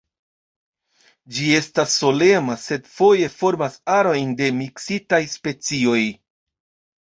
Ĝi estas solema, sed foje formas arojn de miksitaj specioj.